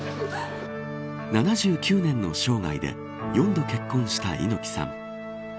７９年の生涯で４度結婚した猪木さん。